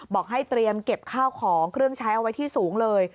บอกให้เตรียมเก็บข้าวของเครื่องใช้เอาไว้ที่สูงเลย